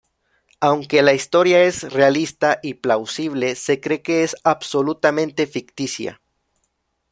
Aunque la historia es realista y plausible, se cree que es absolutamente ficticia.